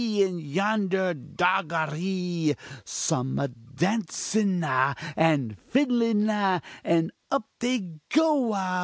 in yonder doggery some a dancin ah! and fiddlin ah! and up they go ah!